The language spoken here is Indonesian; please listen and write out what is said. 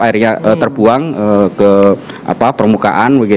airnya terbuang ke permukaan